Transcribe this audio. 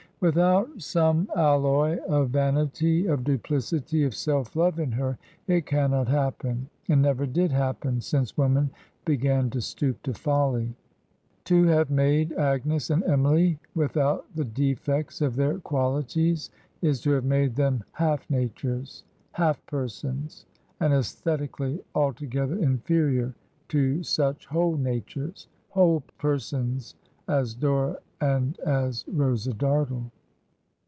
Without some alloy of vanity, of duplicity, of self love in her it cannot happen, and never did happen since woman began to stoop to folly. To have made Agnes and Emily without the defects of their qualities is to have made them half natures, half persons, and aesthetically altogether inferior to such whole natures, whole persons, as Dora and as Rosa Dartle.